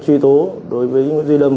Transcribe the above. truy tố đối với nguyễn duy lâm